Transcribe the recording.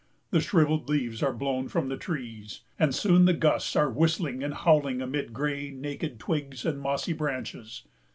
The shrivelled leaves are blown from the trees, and soon the gusts are whistling and howling amid gray, naked twigs and mossy branches.